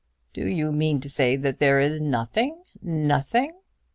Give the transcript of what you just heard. "Do you mean to say that there is nothing, nothing?"